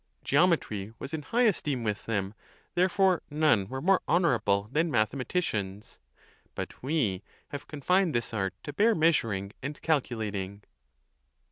Geometry was in high es teem with them, therefore none were more honorable than mathematicians. But we have confined this art to bare measuring and calculating.